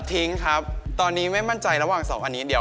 ทิ้งครับตอนนี้ไม่มั่นใจระหว่างสองคันนี้เดี๋ยว